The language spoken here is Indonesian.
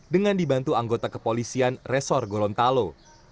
dengan dibantu anggota kepolisian resor gorontalo